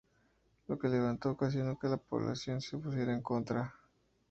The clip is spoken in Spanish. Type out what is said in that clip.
Lo que levanto ocasiono que la población se pusiera en contra.